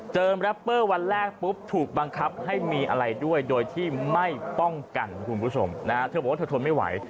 แรปเปอร์วันแรกปุ๊บถูกบังคับให้มีอะไรด้วยโดยที่ไม่ป้องกันคุณผู้ชมนะฮะเธอบอกว่าเธอทนไม่ไหว